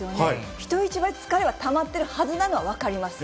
人一倍、疲れはたまっているはずなのは分かります。